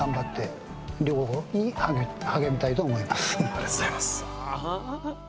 ありがとうございます。